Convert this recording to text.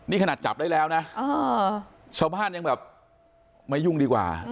นี่ขนาดจับได้แล้วนะชาวบ้านยังแบบไม่ยุ่งดีกว่า